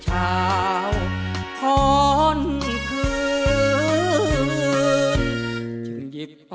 สมาธิพร้อมเพลงที่๑เพลงมาครับ